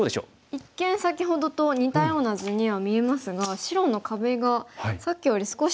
一見先ほどと似たような図には見えますが白の壁がさっきより少し隙間が空いてますね。